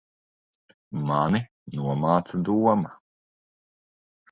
Mani nomāca doma.